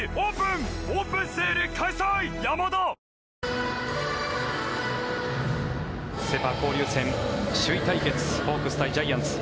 わかるぞセ・パ交流戦首位対決ホークス対ジャイアンツ。